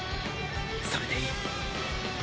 それでいい。